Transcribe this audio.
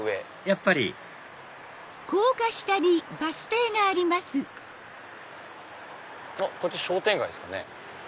やっぱりこっち商店街っすかね。